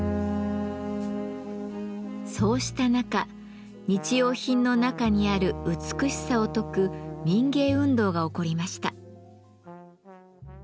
そうした中日用品の中にある美しさを説く民芸運動が起こりました。